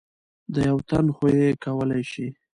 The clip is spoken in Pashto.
د یو تن خو یې کولای شئ .